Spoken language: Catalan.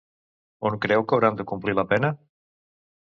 On creu que hauran de complir la pena?